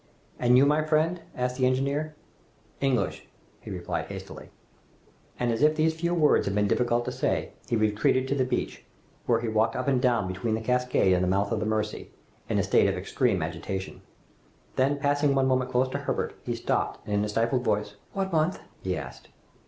"And you, my friend?" asked the engineer. "English," replied he hastily. And as if these few words had been difficult to say, he retreated to the beach, where he walked up and down between the cascade and the mouth of the Mercy, in a state of extreme agitation. Then, passing one moment close to Herbert, he stopped and in a stifled voice, "What month?" he asked.